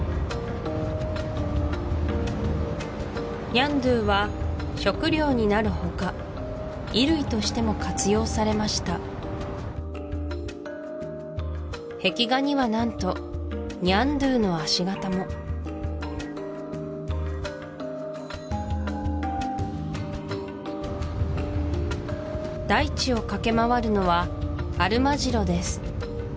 ニャンドゥーは食料になるほか衣類としても活用されました壁画には何と大地を駆け回るのはアルマジロです